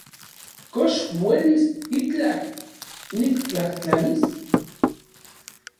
¿Kox uelis itlaj niktlajtlanis?